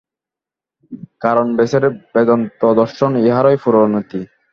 কারণ ব্যাসের বেদান্তদর্শন ইহারই পরিণতি।